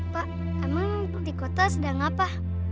pak emang di kota sedang apa